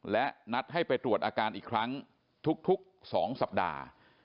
และนัดให้ไปตรวจอาการอีกครั้งทุก๒สัปดาห์